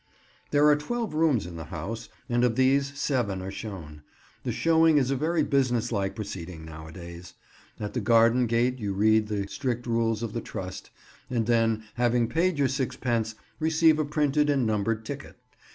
There are twelve rooms in the house, and of these seven are shown. The showing is a very business like proceeding nowadays. At the garden gate you read the strict rules of the Trust, and then, having paid your sixpence, receive a printed and numbered ticket.